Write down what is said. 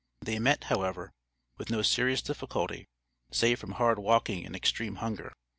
They met, however, with no serious difficulty, save from hard walking and extreme hunger.